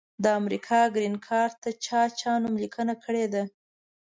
د امریکا ګرین کارټ ته چا چا نوملیکنه کړي ده؟